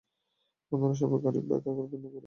বন্ধুরা সবাই গাড়ি, বাইক, আর গার্লফ্রেন্ড নিয়ে ঘুরে।